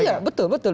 iya betul betul